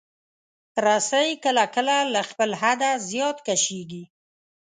رسۍ کله کله له خپل حده زیات کشېږي.